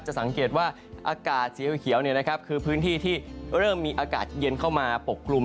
สังเกตว่าอากาศสีเขียวคือพื้นที่ที่เริ่มมีอากาศเย็นเข้ามาปกกลุ่ม